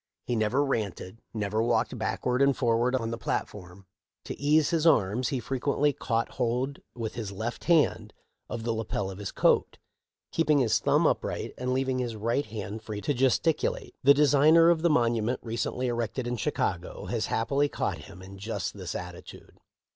He never ranted, never walked backward and forward on the platform. To ease his arms he frequently caught hold, with his left hand, of the lapel of his coat, keep ing his thumb upright and leaving his right hand free to gesticulate. The designer of the monument recently erected in Chicago has happily caught him in just this attitude.